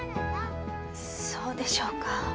そうでしょうか？